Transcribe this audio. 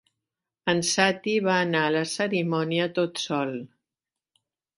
En Sati va anar a la cerimònia tot sol.